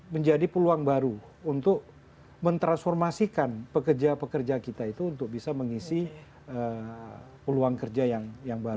menjadi peluang baru untuk mentransformasikan pekerja pekerja kita itu untuk bisa mengisi peluang kerja yang baru